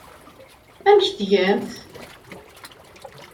Amek tgamt?